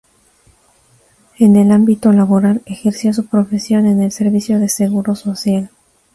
En el ámbito laboral, ejerció su profesión en el Servicio de Seguro Social.